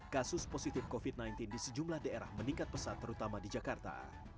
kasus positif covid sembilan belas di sejumlah daerah meningkat pesat terutama di jakarta